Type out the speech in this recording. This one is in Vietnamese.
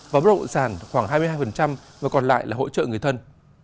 và mức độ sản khoảng hai mươi hai và còn lại là hỗ trợ người thân